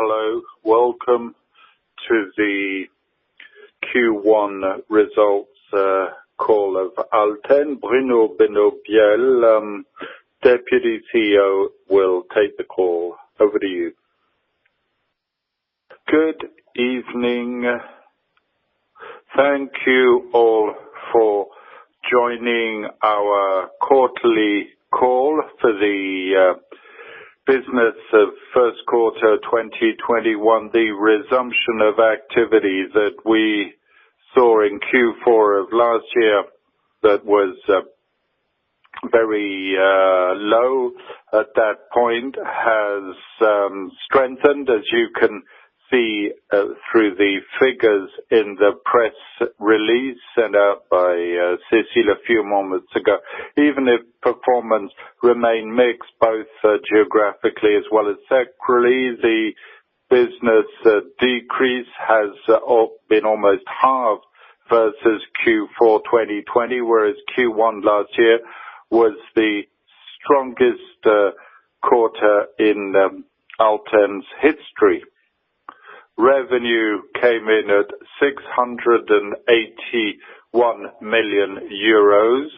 Hello. Welcome to the Q1 results call of Alten. Bruno Benoliel, Deputy Chief Executive Officer, will take the call. Over to you. Good evening. Thank you all for joining our quarterly call for the business of first quarter 2021. The resumption of activity that we saw in Q4 of last year, that was very low at that point, has strengthened, as you can see through the figures in the press release sent out by Cécile a few moments ago. Even if performance remain mixed, both geographically as well as sectorally, the business decrease has been almost halved versus Q4 2020, whereas Q1 last year was the strongest quarter in Alten's history. Revenue came in at 681 million euros,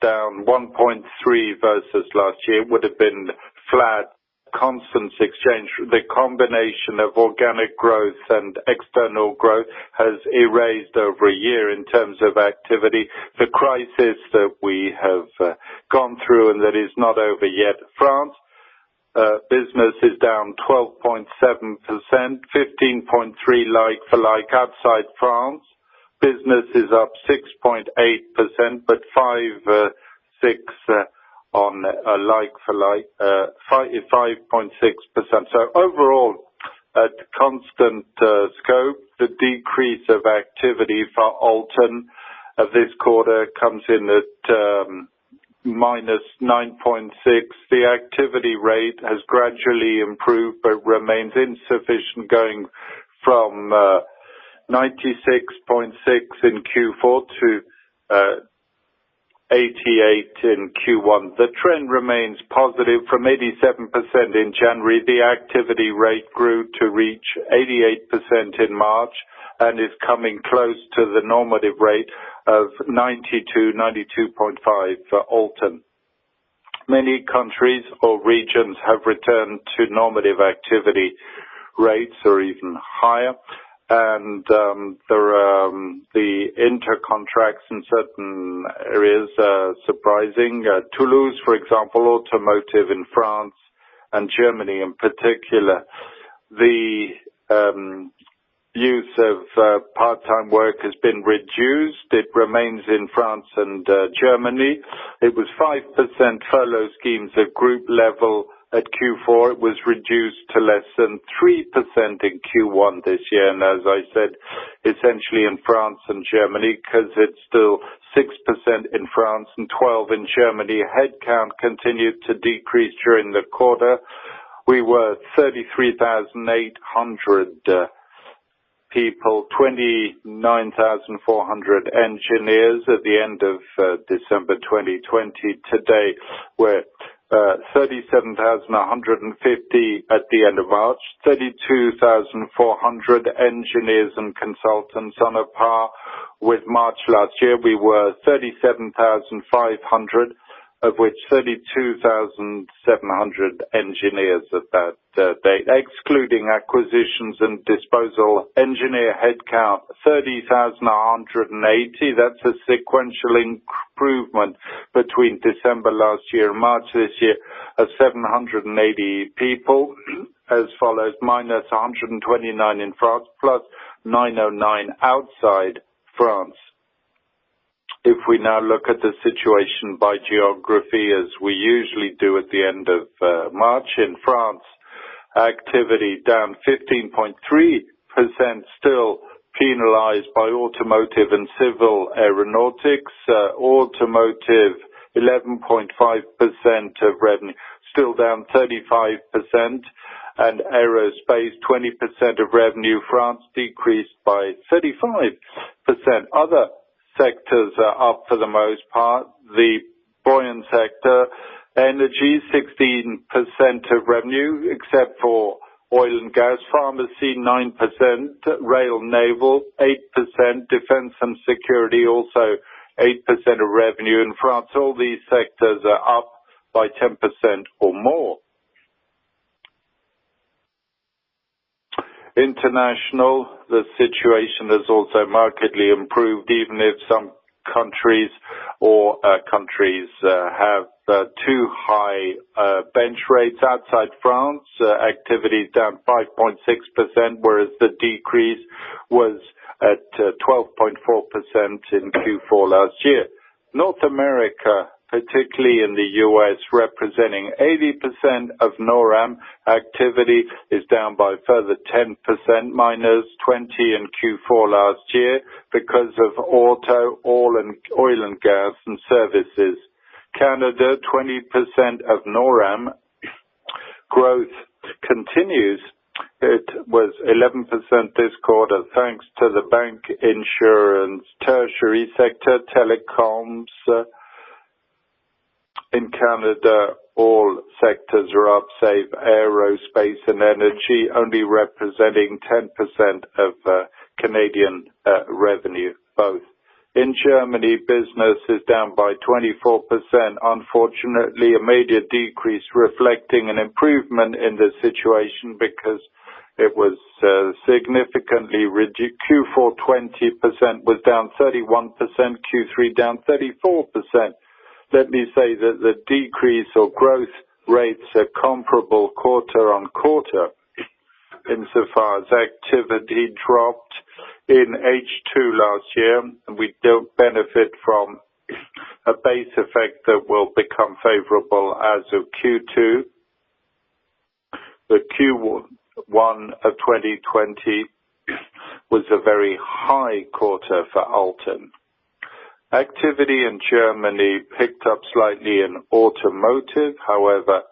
down 1.3% versus last year. It would have been flat, constant exchange. The combination of organic growth and external growth has erased over a year in terms of activity. The crisis that we have gone through, and that is not over yet. France business is down 12.7%, 15.3% like-for-like. Outside France, business is up 6.8%, but 5.6% so overall at constant scope, the decrease of activity for Alten this quarter comes in at -9.6%. The activity rate has gradually improved but remains insufficient, going from 96.6% in Q4 to 88% in Q1. The trend remains positive. From 87% in January, the activity rate grew to reach 88% in March and is coming close to the normative rate of 92%-92.5% for Alten. Many countries or regions have returned to normative activity rates or even higher, and the inter-contract in certain areas are surprising. Toulouse, for example, automotive in France and Germany in particular. The use of part-time work has been reduced. It remains in France and Germany. It was 5% furlough schemes at group level at Q4. It was reduced to less than 3% in Q1 this year. As I said, essentially in France and Germany, because it's still 6% in France and 12% in Germany. Headcount continued to decrease during the quarter. We were 33,800 people, 29,400 engineers at the end of December 2020. Today, we're 37,150 at the end of March, 32,400 engineers and consultants on a par with March last year. We were 37,500, of which 32,700 engineers at that date. Excluding acquisitions and disposal, engineer headcount 30,180. That's a sequential improvement between December last year and March this year of 780 people as follows: -129 in France, +909 outside France. We now look at the situation by geography, as we usually do at the end of March. In France, activity down 15.3%, still penalized by automotive and civil aeronautics. Automotive, 11.5% of revenue, still down 35%, and aerospace, 20% of revenue. France decreased by 35%. Other sectors are up for the most part. The buoyant sector, energy, 16% of revenue except for oil and gas. Pharmacy, 9%. Rail, naval, 8%. Defense and security, also 8% of revenue. In France, all these sectors are up by 10% or more. International, the situation has also markedly improved, even if some countries or countries have too high bench rates. Outside France, activity is down 5.6%, whereas the decrease was at 12.4% in Q4 last year. North America, particularly in the U.S., representing 80% of NORAM activity, is down by a further 10%, -20% in Q4 last year because of auto, oil and gas, and services. Canada, 20% of NORAM growth continues. It was 11% this quarter, thanks to the bank insurance, tertiary sector, telecoms. In Canada, all sectors are up, save aerospace and energy, only representing 10% of Canadian revenue both. In Germany, business is down by 24%. Unfortunately, a major decrease reflecting an improvement in the situation because it was significantly reduced. Q4, 20% was down 31%, Q3 down 34%. Let me say that the decrease or growth rates are comparable quarter-on-quarter insofar as activity dropped in H2 last year, and we don't benefit from a base effect that will become favorable as of Q2. The Q1 of 2020 was a very high quarter for Alten. Activity in Germany picked up slightly in automotive, however,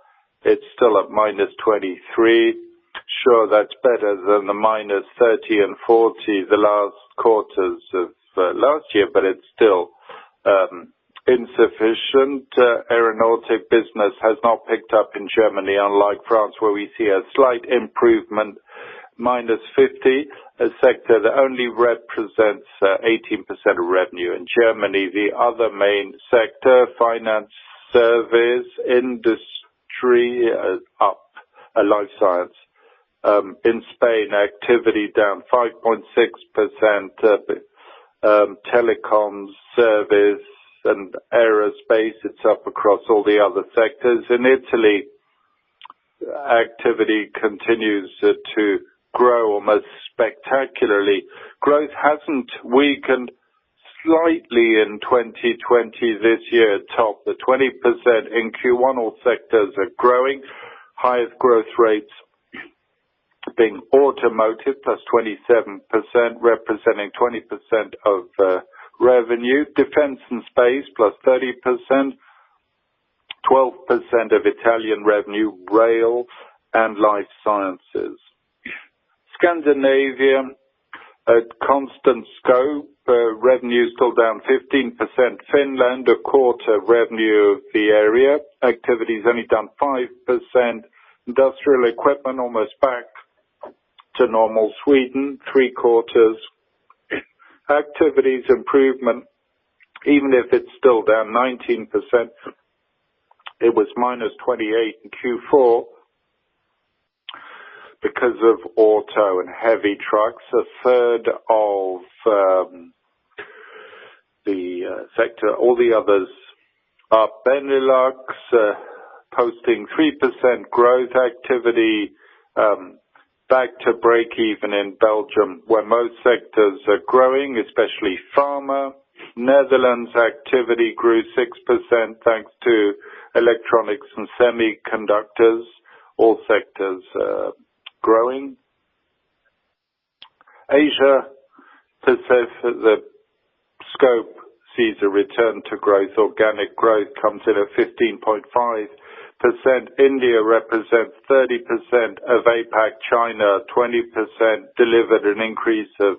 it's still at -23%. Sure, that's better than the -30% and -40% the last quarters of last year, but it's still insufficient. Aeronautic business has not picked up in Germany, unlike France, where we see a slight improvement, -50%, a sector that only represents 18% of revenue. In Germany, the other main sector, finance service industry is up life science. In Spain, activity down 5.6%. Telecom service and aerospace, it's up across all the other sectors. In Italy, activity continues to grow almost spectacularly. Growth hasn't weakened slightly in 2020 this year. At top of 20% in Q1, all sectors are growing. Highest growth rates being automotive, +27%, representing 20% of revenue. Defense and space, +30%, 12% of Italian revenue, rail and life sciences. Scandinavia at constant scope, revenue is still down 15%. Finland, a quarter revenue of the area. Activity is only down 5%. Industrial equipment, almost back to normal. Sweden, three quarters. Activity's improvement, even if it's still down 19%, it was -28% in Q4 because of auto and heavy trucks. A third of the sector, all the others are Benelux, posting 3% growth activity back to breakeven in Belgium, where most sectors are growing, especially pharma. Netherlands activity grew 6% thanks to electronics and semiconductors. All sectors are growing. Asia, the scope sees a return to growth. Organic growth comes in at 15.5%. India represents 30% of APAC, China 20% delivered an increase of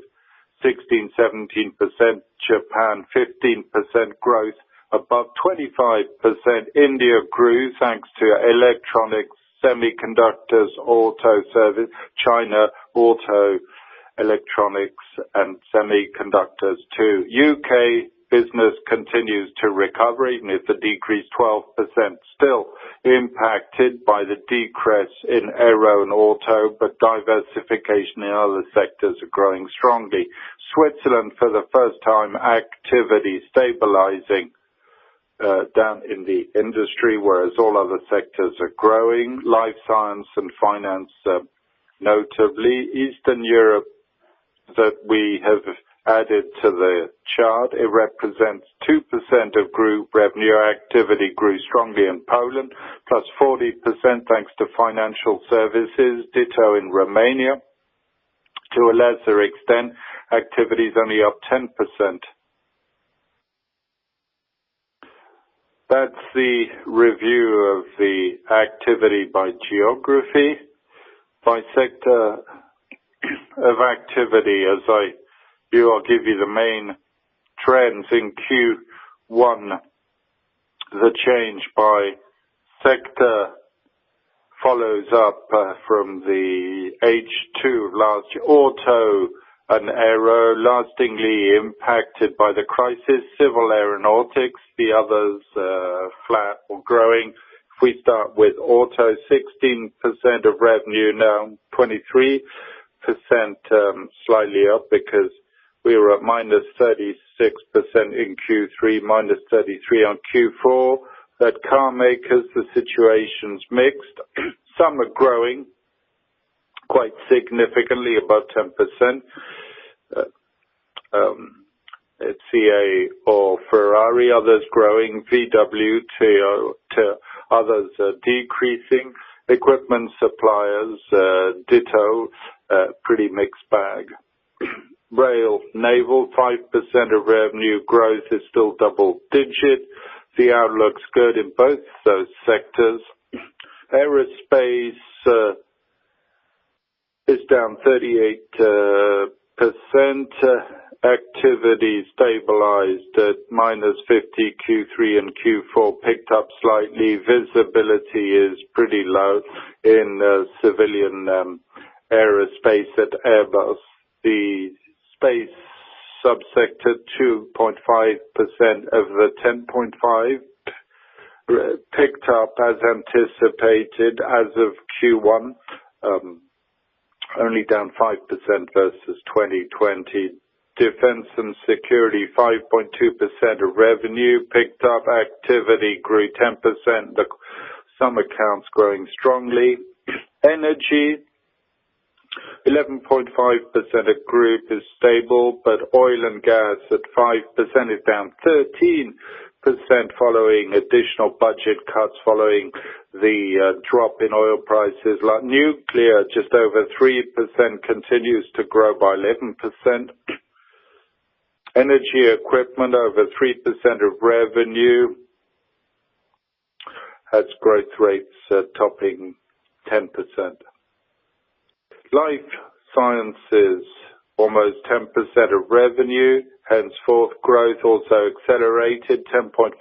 16%, 17% Japan, 15% growth above 25%. India grew thanks to electronics, semiconductors, auto service. China, auto electronics and semiconductors too. U.K. business continues to recover, even if the decreased 12% still impacted by the decrease in aero and auto, diversification in other sectors are growing strongly. Switzerland, for the first time, activity stabilizing down in the industry, whereas all other sectors are growing, life science and finance notably. Eastern Europe that we have added to the chart, it represents 2% of group revenue. Activity grew strongly in Poland, +40%, thanks to financial services. Ditto in Romania, to a lesser extent, activity is only up 10%. That's the review of the activity by geography. By sector of activity, as I view, I'll give you the main trends in Q1. The change by sector follows up from the H2 of last auto and aero lastingly impacted by the crisis. Civil aeronautics, the others flat or growing. If we start with auto, 16% of revenue, now 23% slightly up because we were at -36% in Q3, -33% on Q4. At car makers, the situation's mixed. Some are growing quite significantly, above 10%, FCA or Ferrari, others growing, VW to others decreasing. Equipment suppliers, ditto, pretty mixed bag. Rail, naval, 5% of revenue growth is still double digit. The outlook's good in both those sectors. 38% activity stabilized at -50%. Q3 and Q4 picked up slightly. Visibility is pretty low in the civilian aerospace at Airbus. The space sub-sector, 2.5% of the 10.5, picked up as anticipated as of Q1, only down 5% versus 2020. Defense and security, 5.2% of revenue picked up. Activity grew 10%, some accounts growing strongly. Energy, 11.5% of group is stable, but oil and gas at 5% is down 13% following additional budget cuts following the drop in oil prices. Nuclear, just over 3%, continues to grow by 11%. Energy equipment, over 3% of revenue, has growth rates topping 10%. Life sciences, almost 10% of revenue, henceforth growth also accelerated 10.5%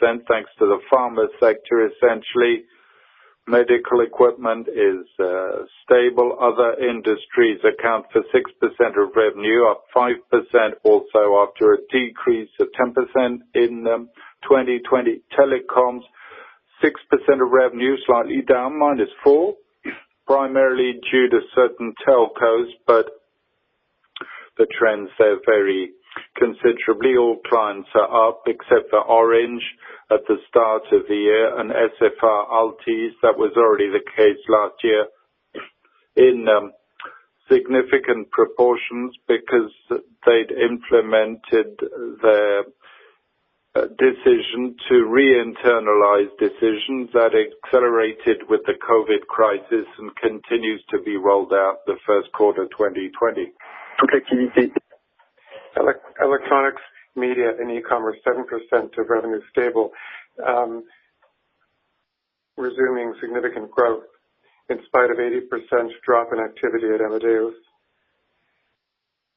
thanks to the pharma sector, essentially. Medical equipment is stable. Other industries account for 6% of revenue, up 5% also after a decrease of 10% in 2020. Telecoms, 6% of revenue, slightly down -4%, primarily due to certain telcos. The trends there vary considerably. All clients are up except for Orange at the start of the year and SFR Altice. That was already the case last year in significant proportions because they'd implemented their decision to re-internalize decisions that accelerated with the COVID crisis and continues to be rolled out the first quarter 2020. Electronics, media, and e-commerce, 7% of revenue stable, resuming significant growth in spite of 80% drop in activity at Amadeus.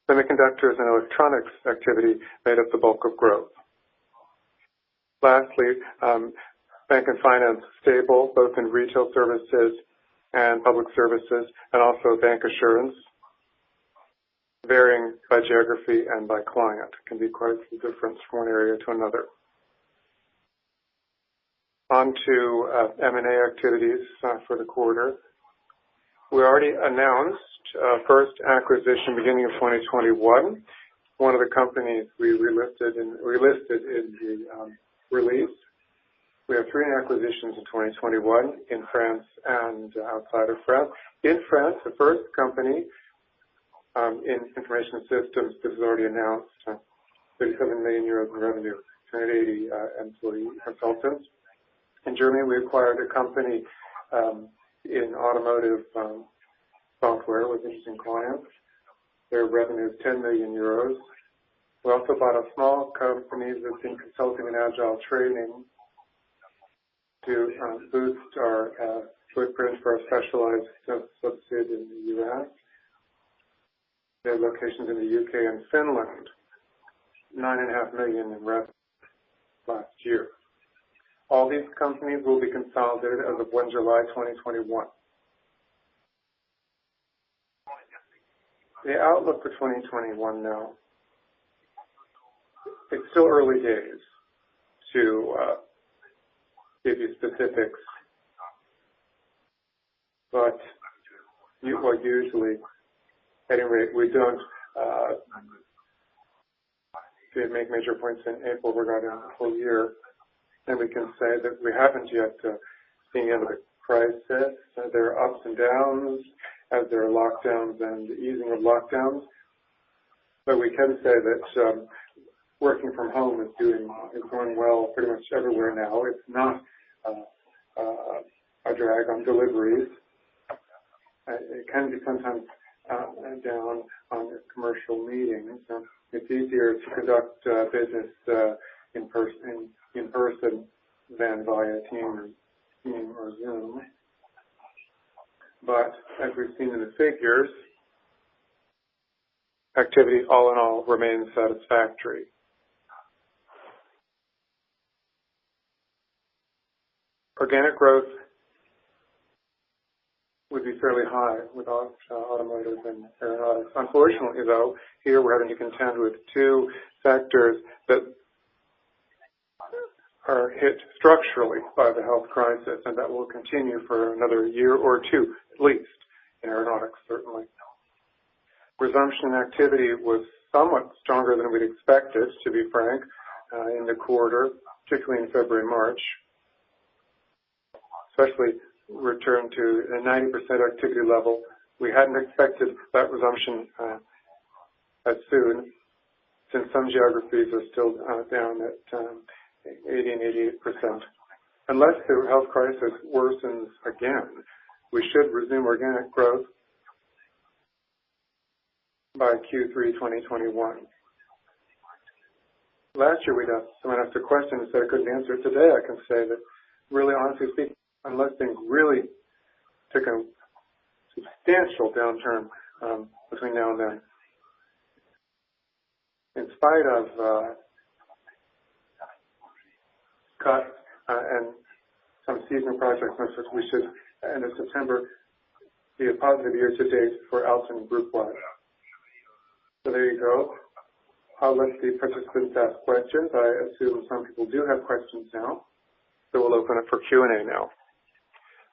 Semiconductors and electronics activity made up the bulk of growth. Lastly, bank and finance stable, both in retail services and public services, and also bank assurance, varying by geography and by client. Can be quite different from one area to another. On to M&A activities for the quarter. We already announced our first acquisition beginning of 2021. One of the companies we relisted in the release. We have three acquisitions in 2021 in France and outside of France. In France, the first company, in information systems, this was already announced, 37 million euros revenue, 280 employee consultants. In Germany, we acquired a company in automotive software with interesting clients. Their revenue is 10 million euros. We also bought a small company that's in consulting and agile training to boost our footprint for our specialized subsidiary in the U.S. They have locations in the U.K. and Finland. 9.5 million in revenue last year. All these companies will be consolidated as of 1 July, 2021. The outlook for 2021 now. It's still early days to give you specifics, but at any rate, we don't make major points in April regarding the full year, and we can say that we haven't yet, seeing how the crisis, there are ups and downs as there are lockdowns and easing of lockdowns. We can say that working from home is going well pretty much everywhere now. It's not a drag on deliveries. It can be sometimes up and down on commercial meetings, and it's easier to conduct business in person than via Teams or Zoom. As we've seen in the figures, activity all in all remains satisfactory. Organic growth would be fairly high without automotive and aeronautics. Unfortunately, though, here we're having to contend with two factors that are hit structurally by the health crisis, and that will continue for another year or two, at least, in aeronautics, certainly. Resumption activity was somewhat stronger than we'd expected, to be frank, in the quarter, particularly in February, March, especially return to a 90% activity level. We hadn't expected that resumption that soon, since some geographies are still down at 80% and 88%. Unless the health crisis worsens again, we should resume organic growth by Q3 2021. Last year, we had someone ask a question that I couldn't answer. Today, I can say that really honestly speaking, unless things really take a substantial downturn between now and then, in spite of cuts and some seasonal project pressures, we should, end of September, be a positive year to date for Alten group-wide. There you go. I'll let the participants ask questions. I assume some people do have questions now. We'll open it for Q&A now.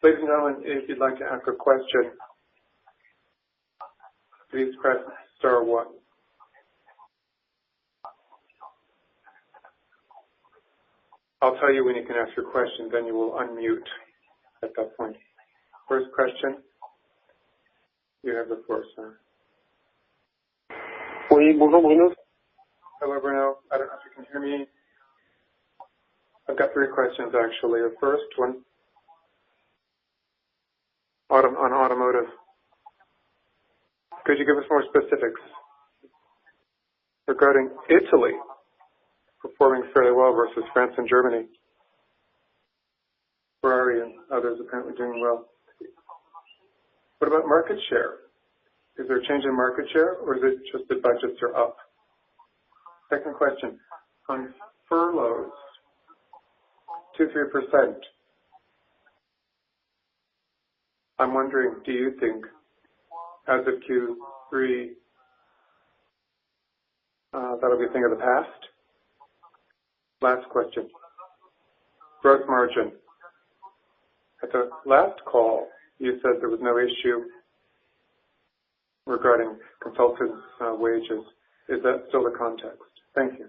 Ladies and gentlemen, if you'd like to ask a question, please press star one. I'll tell you when you can ask your question, then you will unmute at that point. First question. You have the floor, sir. I don't know if you can hear me. I've got three questions, actually. The first one, on automotive. Could you give us more specifics regarding Italy performing fairly well versus France and Germany? Ferrari and others apparently doing well. What about market share? Is there a change in market share or is it just that budgets are up? Second question. On furloughs, 2%, 3%. I'm wondering, do you think as of Q3, that'll be a thing of the past? Last question. Gross margin. At the last call, you said there was no issue regarding consultant wages. Is that still the context? Thank you.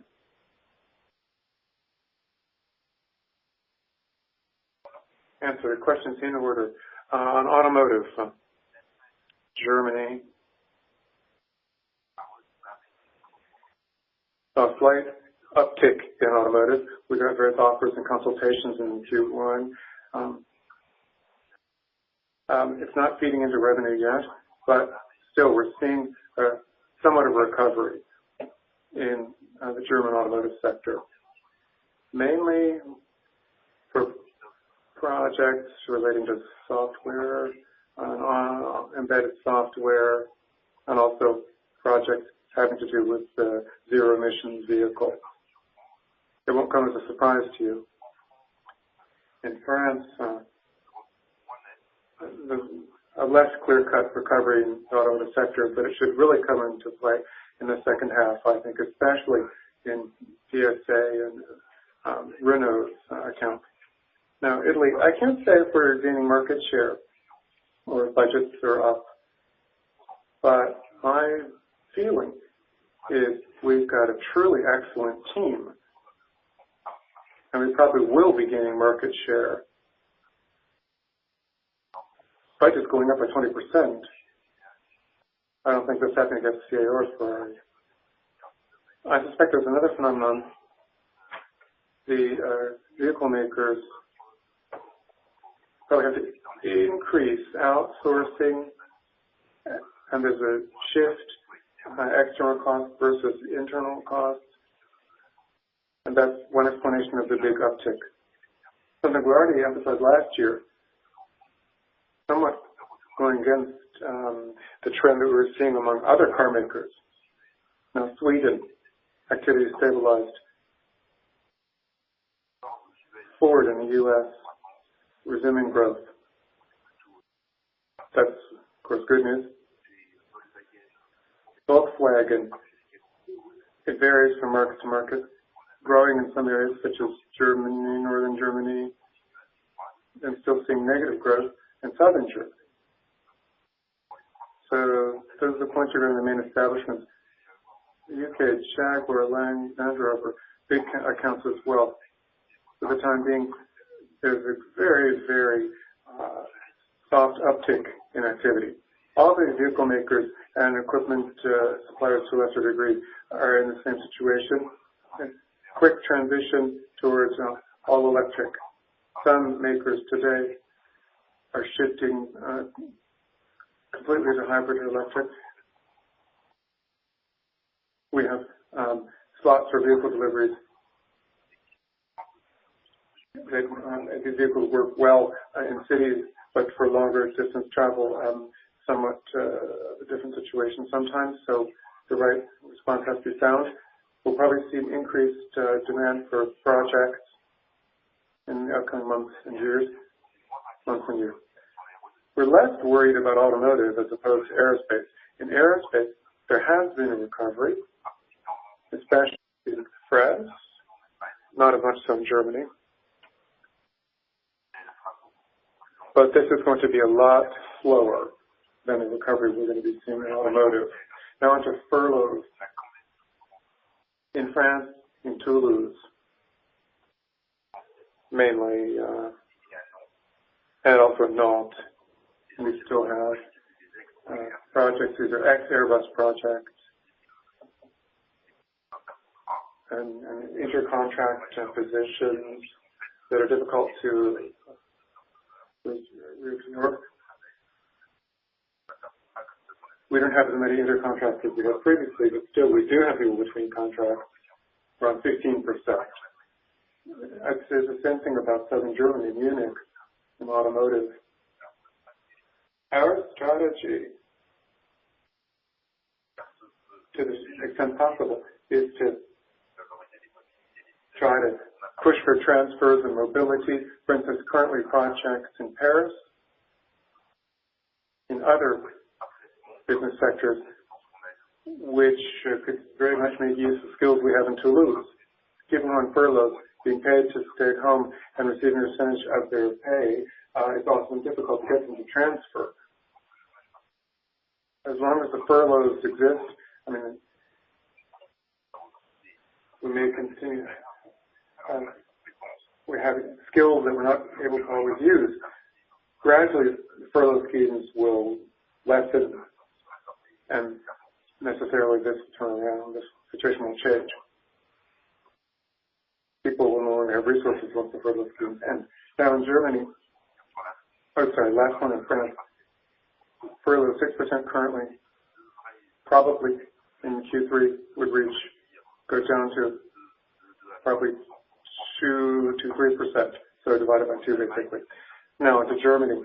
Answer your questions in order. On automotive. Germany. A slight uptick in automotive. We got various offers and consultations in Q1. It's not feeding into revenue yet, but still, we're seeing somewhat of a recovery in the German automotive sector, mainly for projects relating to software, embedded software, and also projects having to do with zero-emission vehicles. It won't come as a surprise to you. In France, a less clear-cut recovery in the automotive sector, but it should really come into play in the second half, I think, especially in PSA and Renault accounts. Italy. I can't say if we're gaining market share or if budgets are up, but my feeling is we've got a truly excellent team, and we probably will be gaining market share. Budgets going up by 20%, I don't think that's happening at FFCA or Ferrari. I suspect there's another phenomenon. The vehicle makers are going to increase outsourcing, and there's a shift, external cost versus internal cost. That's one explanation of the big uptick. Something we already emphasized last year, somewhat going against the trend that we're seeing among other car makers. Sweden, activity has stabilized. Ford in the U.S., resuming growth. That's, of course, good news. Volkswagen. It varies from market to market, growing in some areas such as Germany, Northern Germany, and still seeing negative growth in Southern Germany. Those are the points around the main establishments. U.K., Jaguar, Berlin, and Andorra are big accounts as well. For the time being, there's a very soft uptick in activity. All these vehicle makers and equipment suppliers, to a lesser degree, are in the same situation. A quick transition towards all-electric. Some makers today are shifting completely to hybrid electric. We have slots for vehicle deliveries. These vehicles work well in cities, but for longer-distance travel, somewhat a different situation sometimes. The right response has to be sound. We'll probably see an increased demand for projects in the upcoming months and years, months on year. We're less worried about automotive as opposed to aerospace. In aerospace, there has been a recovery, especially in France, not as much so in Germany. This is going to be a lot slower than the recovery we're going to be seeing in automotive. Onto furloughs. In France, in Toulouse, mainly, and also Nantes, we still have projects. These are ex-Airbus projects and inter-contract positions that are difficult to ignore. We don't have as many under contract as we had previously, but still, we do have people between contracts, around 15%. I'd say the same thing about Southern Germany, Munich, and automotive. Our strategy, to the extent possible, is to try to push for transfers and mobility. For instance, currently, projects in Paris, in other business sectors which could very much make use of skills we have in Toulouse. People on furlough, being paid to stay at home and receiving a percentage of their pay, it is often difficult to get them to transfer. As long as the furloughs exist, we may continue to have skills that we are not able to always use. Gradually, the furlough schemes will lessen. Necessarily, this will turn around. This situation will change. People will no longer have resources once the furlough is through. Now in Germany. Oh, sorry. Last one in France. Furlough, 6% currently. Probably in Q3 would reach, go down to probably 2%-3%, so divided by two very quickly. Now, to Germany.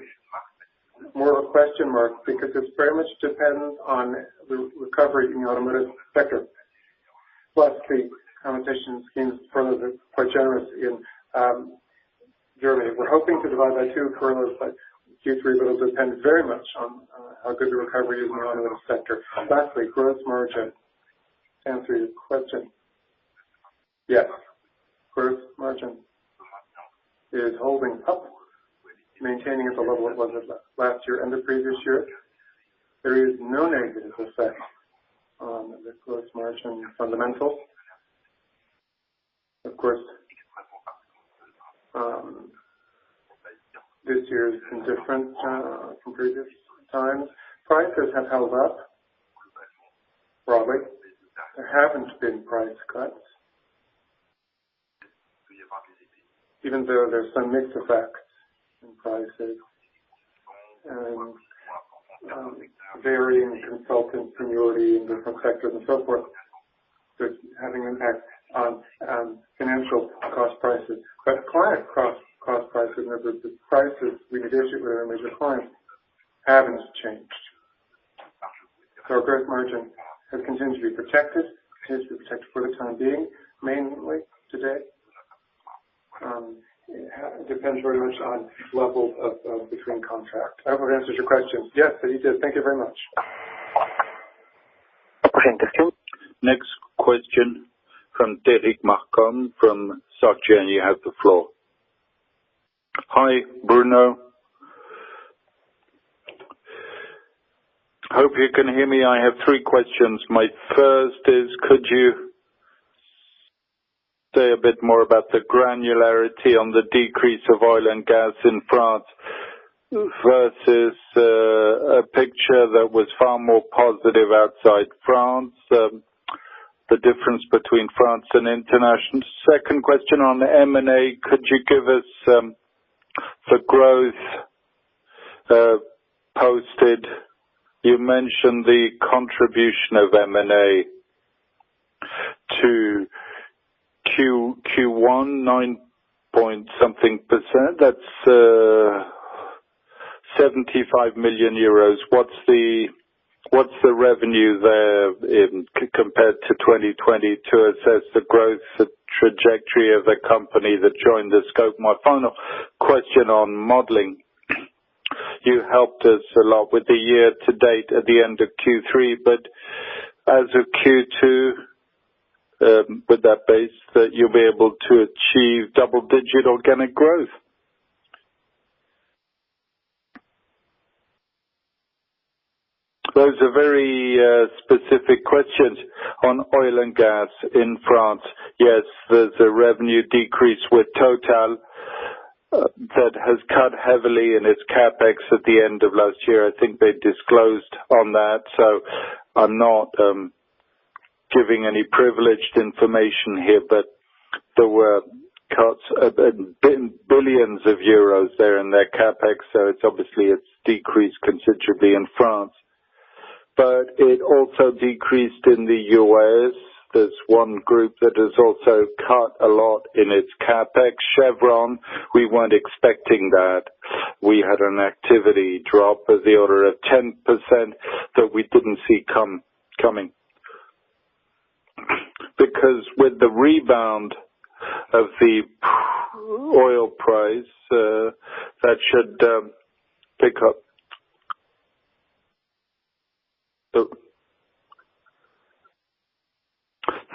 More of a question mark, because it very much depends on the recovery in the automotive sector, plus the compensation schemes furloughs are quite generous in Germany. We're hoping to divide by two furloughs by Q3. It'll depend very much on how good the recovery is in the automotive sector. Gross margin. To answer your question, yes. Gross margin is holding up, maintaining at the level it was at last year and the previous year. There is no negative effect on the gross margin fundamentals. Of course, this year is different from previous times. Prices have held up, broadly. There haven't been price cuts. Even though there's some mixed effects in prices and varying consultant seniority in different sectors and so forth. They're having an impact on financial cost prices. Client cost prices, in other words, the prices we negotiate with our major clients, haven't changed. Our gross margin has continued to be protected. It is protected for the time being, mainly today. It depends very much on levels of inter-contract. I hope I answered your question. Yes, you did. Thank you very much. Next question from Derric Marcon from Société Générale. You have the floor. Hi, Bruno. Hope you can hear me. I have three questions. My first is, could you say a bit more about the granularity on the decrease of oil and gas in France versus a picture that was far more positive outside France, the difference between France and international? Second question on the M&A, could you give us the growth posted? You mentioned the contribution of M&A to Q1, nine-point something percent. That's 75 million euros. What's the revenue there compared to 2022 as the growth trajectory of the company that joined the scope? My final question on modeling. You helped us a lot with the year to date at the end of Q3, but as of Q2, with that base, that you'll be able to achieve double-digit organic growth. Those are very specific questions. On oil and gas in France, yes, there's a revenue decrease with Total that has cut heavily in its CapEx at the end of last year. I think they disclosed on that, so I'm not giving any privileged information here. There were cuts, billions of euro there in their CapEx, so obviously it's decreased considerably in France. It also decreased in the U.S. There's one group that has also cut a lot in its CapEx, Chevron. We weren't expecting that. We had an activity drop of the order of 10% that we didn't see coming. With the rebound of the oil price, that should pick up. The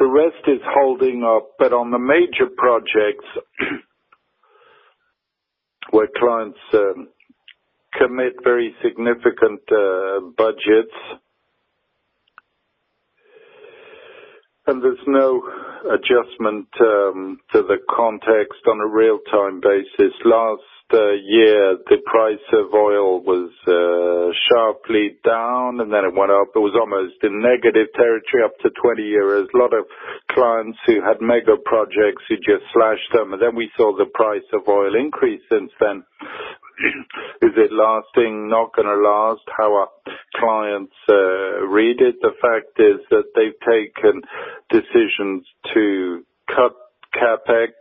rest is holding up. On the major projects where clients commit very significant budgets, and there's no adjustment to the context on a real-time basis. Last year, the price of oil was sharply down, and then it went up. It was almost in negative territory up to 20 euros. A lot of clients who had mega projects who just slashed them, and then we saw the price of oil increase since then. Is it lasting, not going to last? How our clients read it. The fact is that they've taken decisions to cut CapEx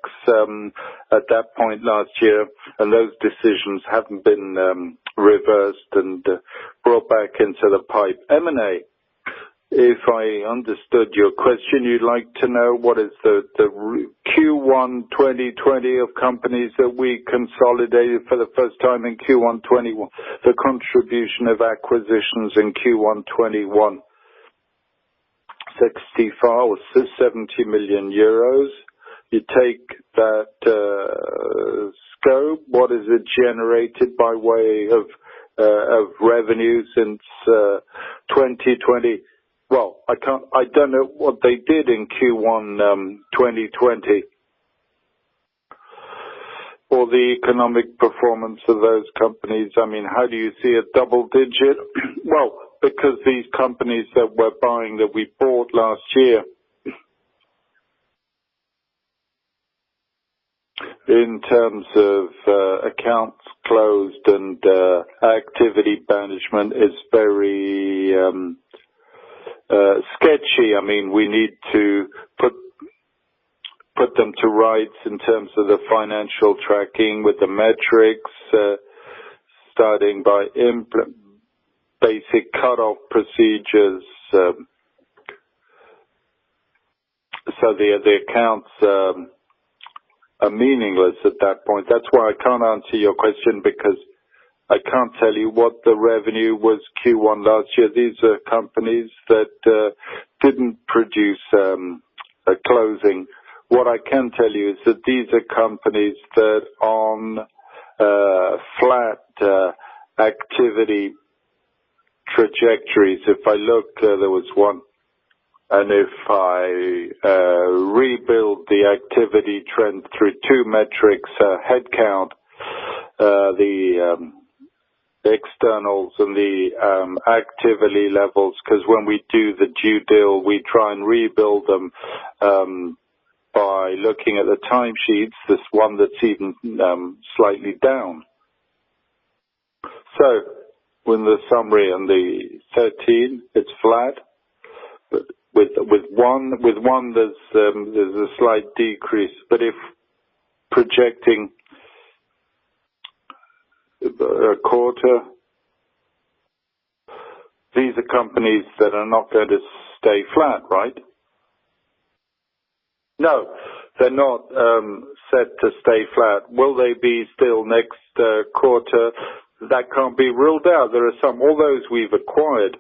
at that point last year, and those decisions haven't been reversed and brought back into the pipe. M&A, if I understood your question, you'd like to know what is the Q1 2020 of companies that we consolidated for the first time in Q1 2021, the contribution of acquisitions in Q1 2021. EUR 65 million, EUR 70 million. You take that scope, what is it generated by way of revenue since 2020? Well, I don't know what they did in Q1 2020. The economic performance of those companies. How do you see a double digit? Well, because these companies that we're buying, that we bought last year. In terms of accounts closed and activity management is very sketchy. We need to put them to rights in terms of the financial tracking with the metrics, starting by basic cutoff procedures. The accounts are meaningless at that point. That's why I can't answer your question because I can't tell you what the revenue was Q1 last year. These are companies that didn't produce a closing. What I can tell you is that these are companies that on a flat activity trajectories. If I look, there was one, and if I rebuild the activity trend through two metrics, headcount, the externals and the activity levels, because when we do the due diligence, we try and rebuild them, by looking at the time sheets. There's one that's even slightly down. In the summary on the 13, it's flat. With one there's a slight decrease. If projecting a quarter, these are companies that are not going to stay flat, right? No. They're not set to stay flat. Will they be still next quarter? That can't be ruled out. There are some, all those we've acquired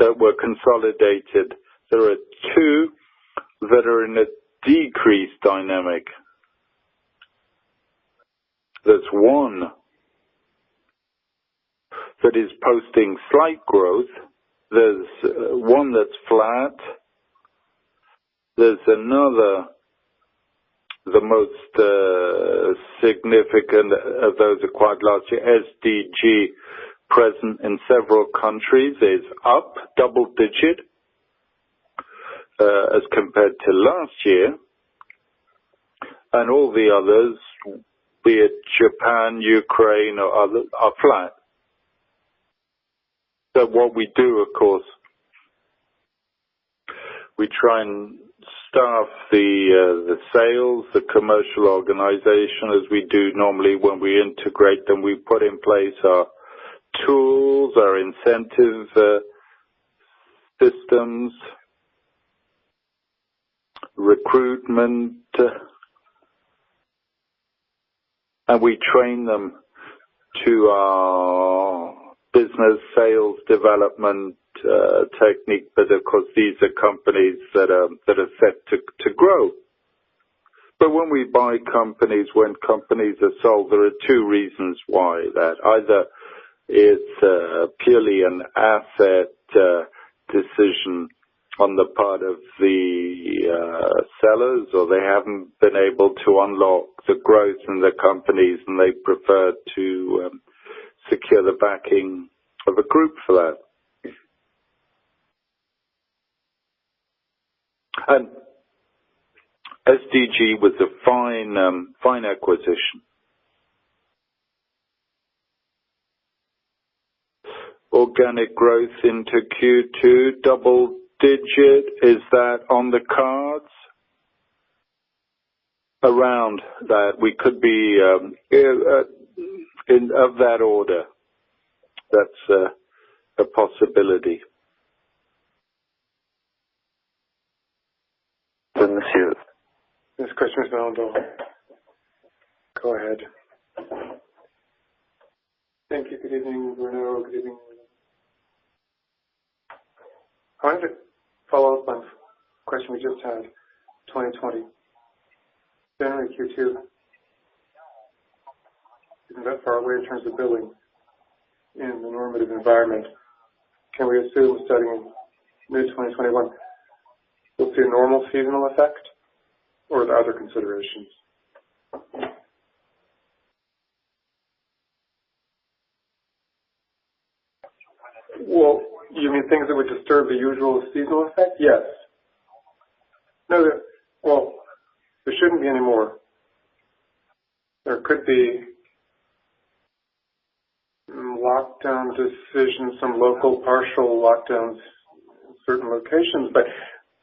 that were consolidated. There are two that are in a decreased dynamic. There's one that is posting slight growth. There's one that's flat. There's another, the most significant of those acquired last year, SDG, present in several countries, is up double digit, as compared to last year. All the others, be it Japan, Ukraine or others, are flat. What we do, of course, we try and staff the sales, the commercial organization as we do normally when we integrate them. We put in place our tools, our incentive systems, recruitment, and we train them to our business sales development technique. Of course, these are companies that are set to grow. When we buy companies, when companies are sold, there are two reasons why that. Either it's purely an asset decision on the part of the sellers, or they haven't been able to unlock the growth in their companies, and they prefer to secure the backing of a group for that. SDG was a fine acquisition. Organic growth into Q2, double digit, is that on the cards? Around that. We could be of that order. That's a possibility. Thank you. Next question is now on the line. Go ahead. Thank you. Good evening, Bruno. Good evening. I wanted to follow up on a question we just had. 2020, down in Q2, isn't that far away in terms of billing in the normative environment? Can we assume starting mid-2021, we'll see a normal seasonal effect or are there other considerations? Well, you mean things that would disturb the usual seasonal effect? Yes. No. Well, there shouldn't be any more. There could be lockdown decisions, some local partial lockdowns in certain locations,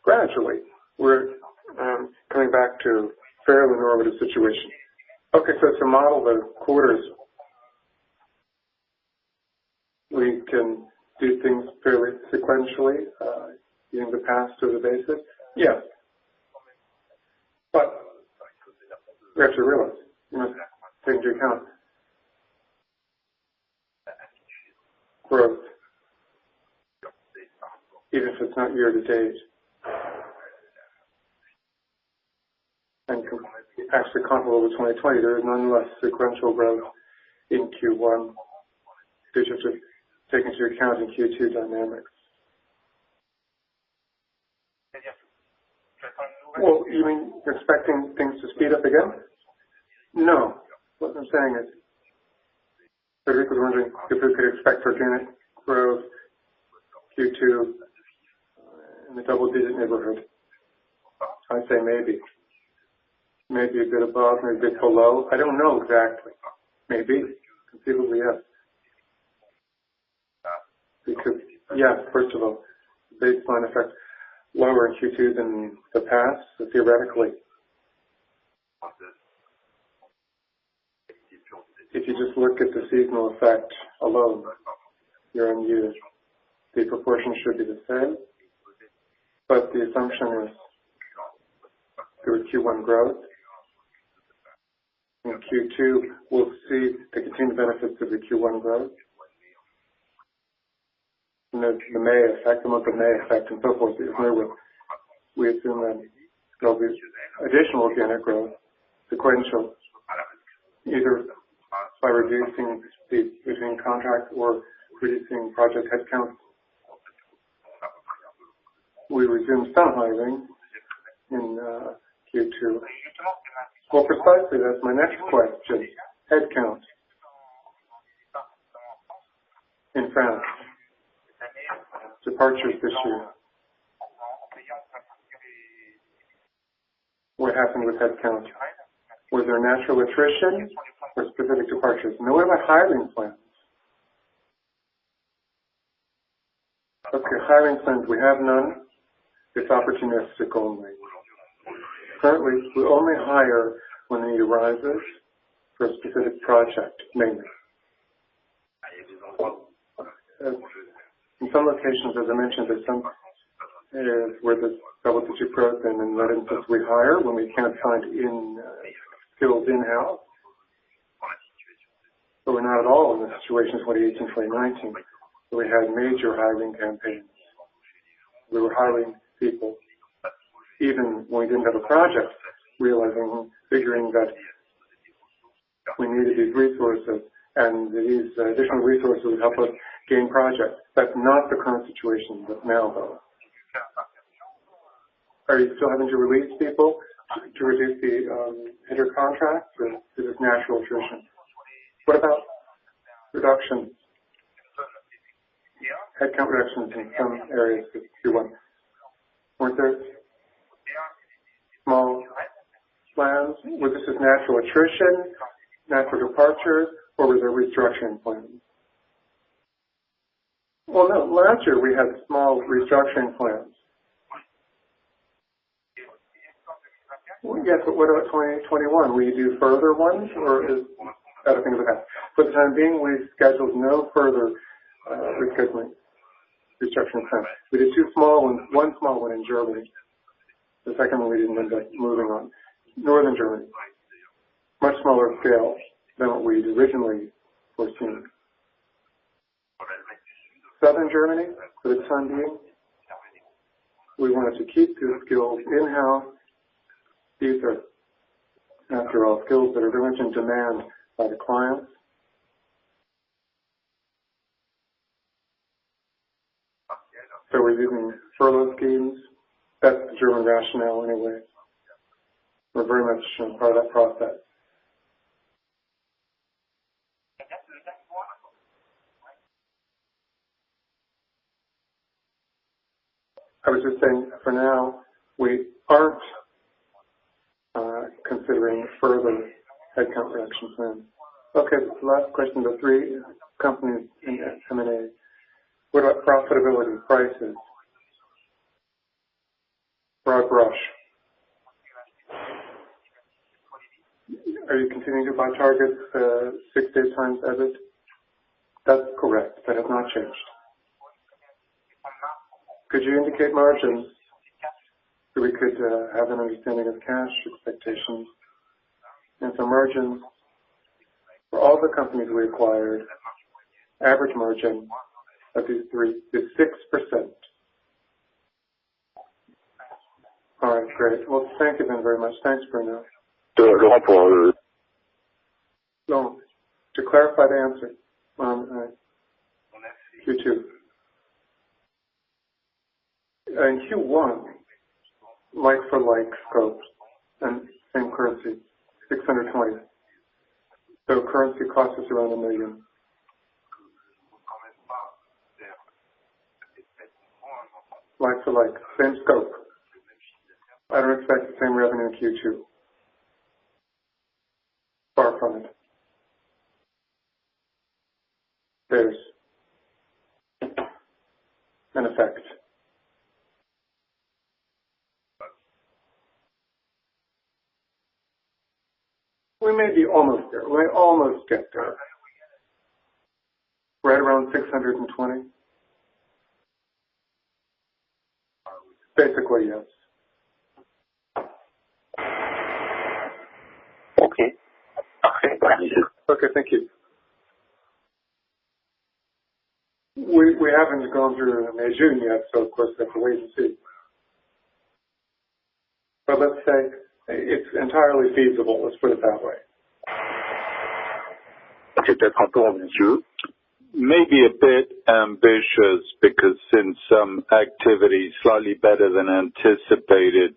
gradually we're coming back to a fairly normative situation. Okay, to model the quarters, we can do things fairly sequentially, using the past as a basis. Yes. We have to realize, we must take into account growth, even if it's not year to date. Combined, actually comparable to 2020, there is nonetheless sequential growth in Q1, in addition to taking into account the Q2 dynamics. You mean expecting things to speed up again? No, what I'm saying is, the group was wondering if we could expect organic growth Q2 in the double-digit neighborhood. I'd say maybe. Maybe a bit above, maybe a bit below. I don't know exactly. Maybe. Conceivably, yes. Yeah, first of all, the baseline effect, lower in Q2 than the past. Theoretically, if you just look at the seasonal effect alone year-on-year, the proportion should be the same, but the assumption is through Q1 growth. In Q2, we'll see the continued benefits of the Q1 growth. Then the May effect and so forth, whereby we assume there'll be additional organic growth, sequential, either by reducing the between contract or reducing project headcount. We resumed some hiring in Q2. Precisely. That's my next question. Headcount. In France. Departures this year. What happened with headcount? Was there natural attrition or specific departures? No. What about hiring plans? Okay, hiring plans, we have none. It's opportunistic only. Currently, we only hire when a need arises for a specific project, mainly. In some locations, as I mentioned, there's some areas where there's double-digit growth and in those instances we hire when we can't find skills in-house. We're not at all in the situation 2018, 2019, where we had major hiring campaigns. We were hiring people even when we didn't have a project, realizing, figuring that we needed these resources, and these additional resources would help us gain projects. That's not the current situation now, though. Are you still having to release people to reduce the inter-contract, or is it natural attrition? What about reductions? Headcount reductions in some areas in Q1. Weren't there small plans? Was this as natural attrition, natural departure, or were there restructuring plans? Last year we had small restructuring plans. What about 2021? Will you do further ones, or are things okay? For the time being, we've scheduled no further restructuring plans. We did two small ones. One small one in Germany. The second one we didn't end up moving on. Northern Germany. Much smaller scale than what we'd originally foreseen. Southern Germany, with [Sondy], we wanted to keep the skills in-house. These are, after all, skills that are in demand by the clients. We're doing further schemes. That's the German rationale, anyway. We're very much still part of that process. I was just saying, for now, we aren't considering further headcount reduction plans. The last question, the three companies in M&A. What about profitability, prices? Broad brush. Are you continuing to buy targets, 6x EBIT? That's correct. That has not changed. Could you indicate margins so we could have an understanding of cash expectations? Margins for all the companies we acquired, average margin of these three is 6%. All right, great. Well, thank you then very much. Thanks, Bruno. No. To clarify the answer. Q2. In Q1, like-for-like scopes and same currency, 620 million. Currency cost us around 1 million. Like-for-like, same scope. I don't expect the same revenue in Q2. Far from it. There's an effect. We may be almost there. We're almost get there. Right around EUR 620 million. Basically, yes. Okay. Thank you. We haven't gone through May, June yet, so of course we have to wait and see. Let's say it's entirely feasible, let's put it that way. Maybe a bit ambitious because since some activity slightly better than anticipated,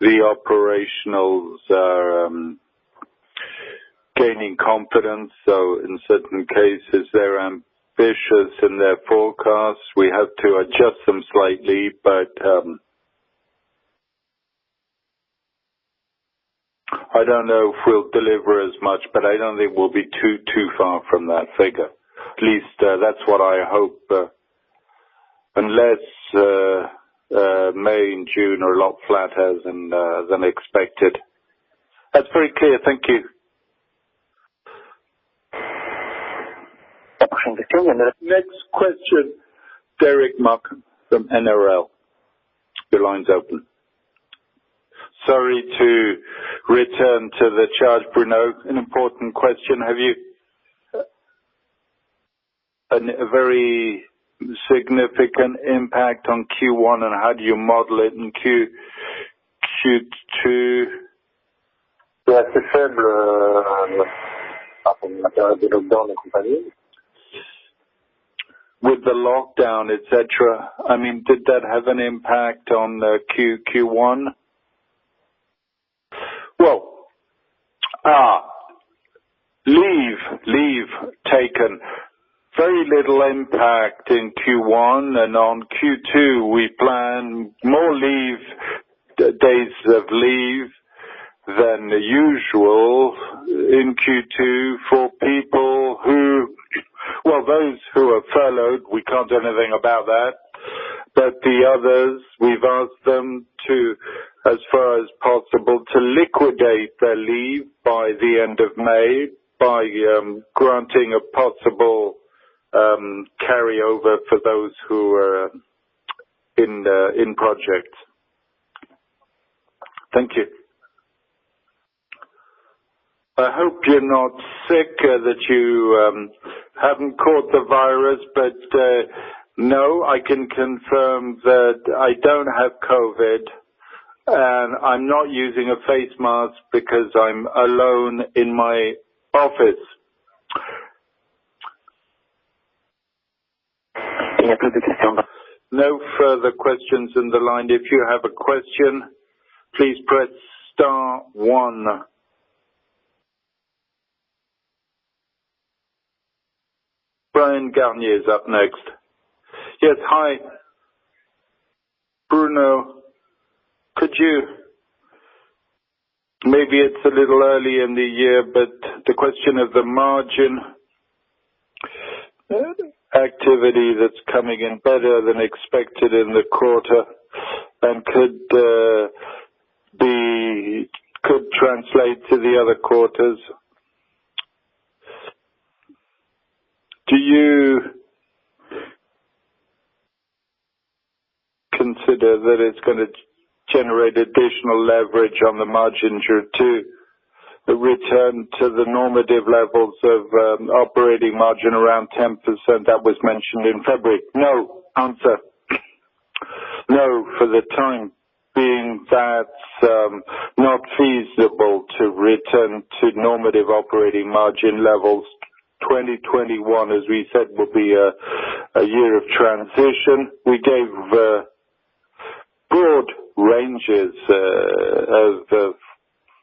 the operationals are gaining confidence. In certain cases, they're ambitious in their forecasts. We have to adjust them slightly, I don't know if we'll deliver as much, but I don't think we'll be too far from that figure. At least, that's what I hope. Unless May and June are a lot flatter than expected. That's very clear. Thank you. Next question, Derric Marcon from [NRL}. Your line's open. Sorry to return to the charge, Bruno. An important question. Have you had a very significant impact on Q1, and how do you model it in Q2? With the lockdown, et cetera, did that have an impact on Q1? Well, leave taken, very little impact in Q1. On Q2, we plan more days of leave than usual in Q2 for people. Well, those who are furloughed, we can't do anything about that. The others, we've asked them to, as far as possible, to liquidate their leave by the end of May by granting a possible carryover for those who are in projects. Thank you. I hope you're not sick, that you haven't caught the virus. No, I can confirm that I don't have COVID, and I'm not using a face mask because I'm alone in my office. No further questions on the line. If you have a question, please press star one. Bryan Garnier is up next. Yes. Hi. Bruno, maybe it's a little early in the year, the question of the margin activity that's coming in better than expected in the quarter, and could translate to the other quarters. Do you consider that it's going to generate additional leverage on the margin due to the return to the normative levels of operating margin around 10% that was mentioned in February? For the time being, that's not feasible to return to normative operating margin levels. 2021, as we said, will be a year of transition. We gave broad ranges of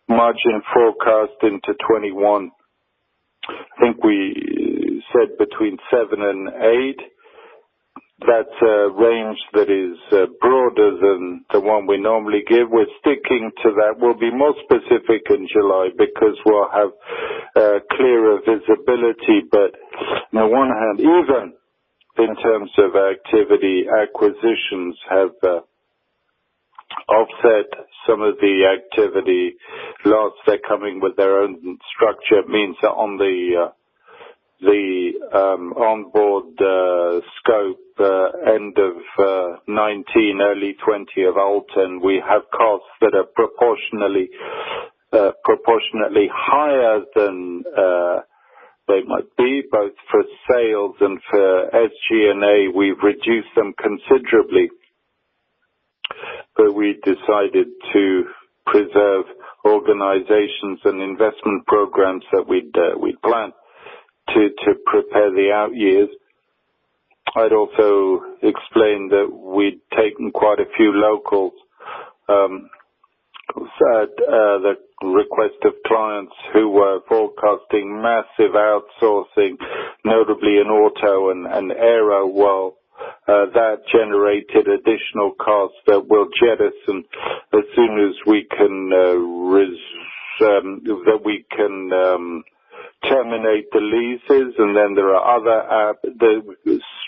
margin forecast into 2021. I think we said between seven and eight. That's a range that is broader than the one we normally give. We're sticking to that. We'll be more specific in July because we'll have clearer visibility. On the one hand, even in terms of activity, acquisitions have offset some of the activity loss. They're coming with their own structure. It means that on the onboard scope, end of 2019, early 2020 of Alten, we have costs that are proportionately higher than they might be, both for sales and for SG&A. We've reduced them considerably. We decided to preserve organizations and investment programs that we'd planned to prepare the out years. I'd also explained that we'd taken quite a few locals at the request of clients who were forecasting massive outsourcing, notably in auto and aero. That generated additional costs that we'll jettison as soon as we can terminate the leases, and then there are other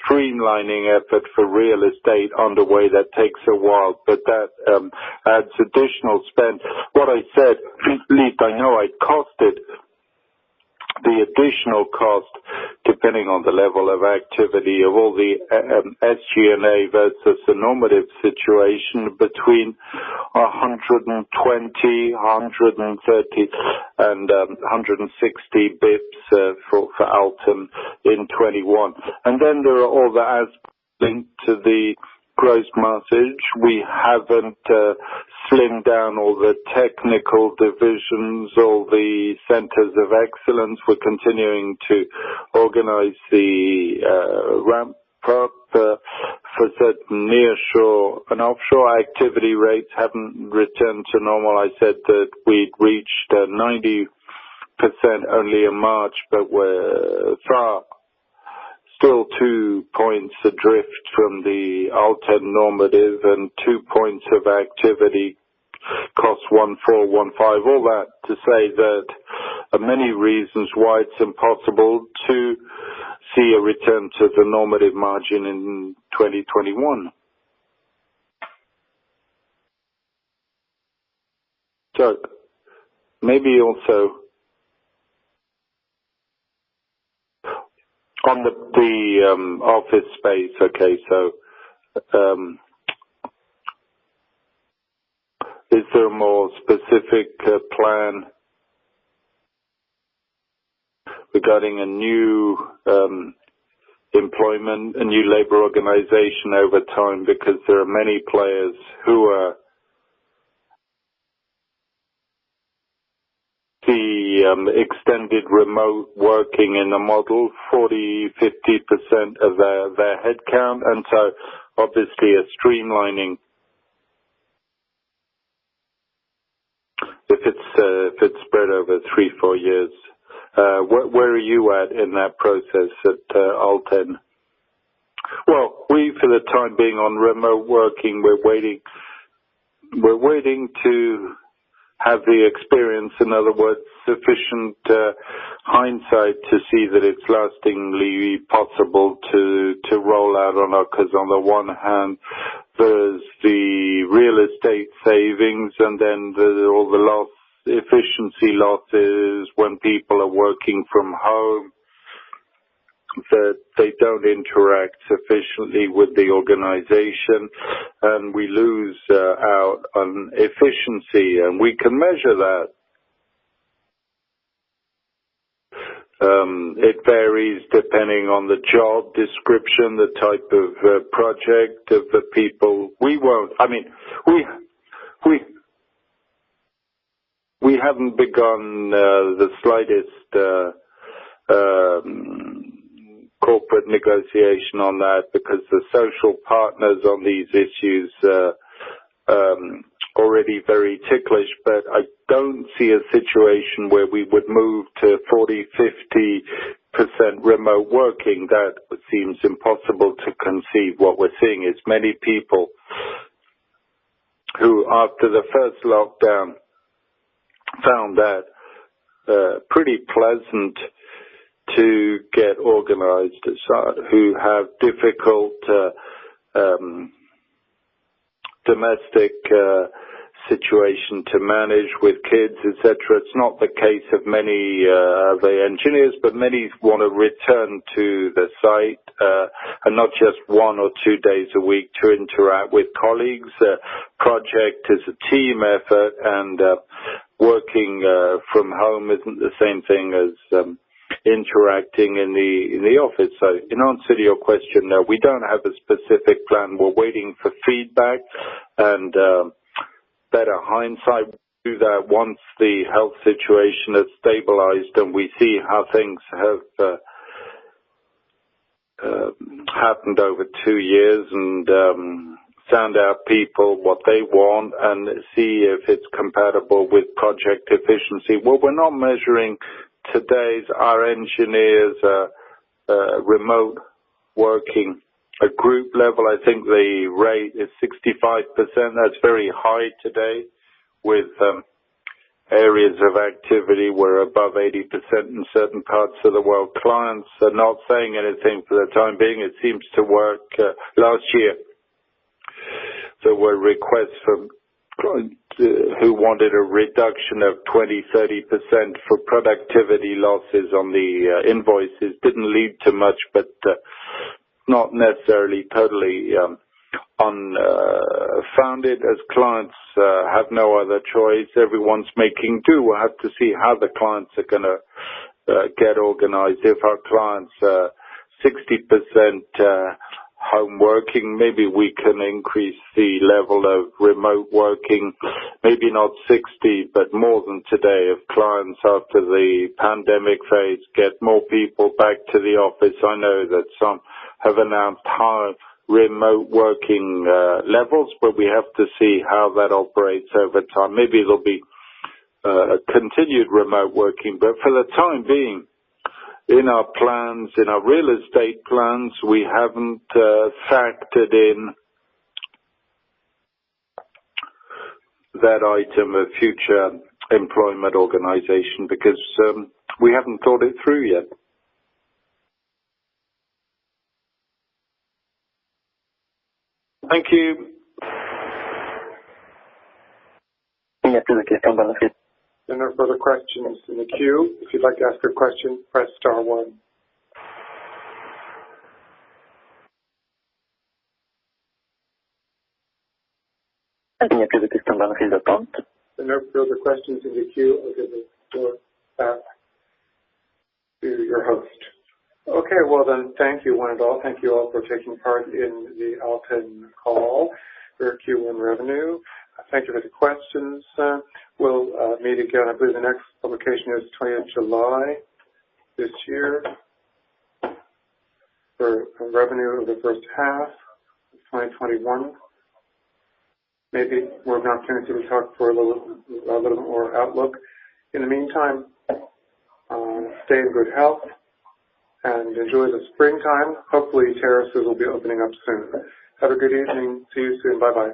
streamlining effort for real estate on the way that takes a while, but that adds additional spend. What I said, at least I know I costed the additional cost, depending on the level of activity of all the SG&A versus the normative situation between 120, 130 and 160 basis points for Alten in 2021. There are all the aspects linked to the gross margin. We haven't thinned down all the technical divisions, all the centers of excellence. We're continuing to organize the ramp-up for certain nearshore and offshore. Activity rates haven't returned to normal. I said that we'd reached 90% only in March, but we're still two points adrift from the Alten normative and two points of activity cost 14, 15. All that to say that are many reasons why it's impossible to see a return to the normative margin in 2021. Maybe also on the office space. Okay, is there a more specific plan regarding a new employment, a new labor organization over time? There are many players who are the extended remote working in the model, 40%, 50% of their headcount, and so obviously a streamlining. If it's spread over three, four years. Where are you at in that process at Alten? Well, we, for the time being on remote working, we're waiting to have the experience. In other words, sufficient hindsight to see that it's lastingly possible to roll out. On the one hand, there's the real estate savings and then all the efficiency losses when people are working from home, that they don't interact sufficiently with the organization, and we lose out on efficiency, and we can measure that. It varies depending on the job description, the type of project, of the people. We haven't begun the slightest corporate negotiation on that because the social partners on these issues are already very ticklish. I don't see a situation where we would move to 40%, 50% remote working. That seems impossible to conceive. What we're seeing is many people who, after the first lockdown, found that pretty pleasant to get organized at site, who have difficult domestic situation to manage with kids, et cetera. It's not the case of many of the engineers, but many want to return to the site, and not just one or two days a week to interact with colleagues. A project is a team effort, and working from home isn't the same thing as interacting in the office. In answer to your question, no. We don't have a specific plan. We're waiting for feedback and better hindsight to do that once the health situation has stabilized and we see how things have happened over two years and sound out people what they want and see if it's compatible with project efficiency. What we're not measuring today is our engineers remote working at group level. I think the rate is 65%. That's very high today with areas of activity. We're above 80% in certain parts of the world. Clients are not saying anything for the time being. It seems to work. Last year, there were requests from clients who wanted a reduction of 20%, 30% for productivity losses on the invoices. Didn't lead to much, not necessarily totally unfounded as clients have no other choice. Everyone's making do. We'll have to see how the clients are going to get organized. If our clients are 60% home working, maybe we can increase the level of remote working. Maybe not 60%, but more than today of clients after the pandemic phase get more people back to the office. I know that some have announced higher remote working levels, but we have to see how that operates over time. Maybe it'll be a continued remote working. For the time being, in our plans, in our real estate plans, we haven't factored in that item of future employment organization because we haven't thought it through yet. Thank you. There are no further questions in the queue. If you'd like to ask a question, press star one. There are no further questions in the queue. Okay. It goes back to your host. Okay. Well, thank you, Wendell. Thank you all for taking part in the Alten call for Q1 revenue. Thank you for the questions. We'll meet again. I believe the next publication is 20th July this year for revenue of the first half of 2021. Maybe we're now turning to the talk for a little more outlook. In the meantime, stay in good health and enjoy the springtime. Hopefully, terraces will be opening up soon. Have a good evening. See you soon. Bye-bye.